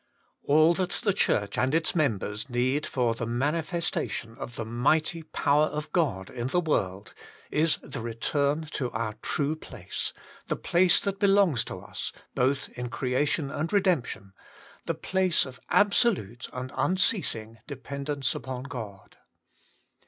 All that the Church and its members need for the manifestation of the 2 I8 WAITING ON GOD! mighty power of God in the world, is the return to our true place, the place that belongs to us, both in creation and redemption, the place of absolute and unceasing dependence upon God.